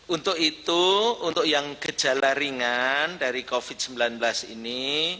untuk itu untuk yang gejala ringan dari covid sembilan belas ini